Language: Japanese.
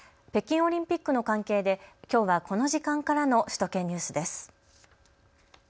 北京オリンピックの関係できょうはこの時間からの首都圏ニュースです。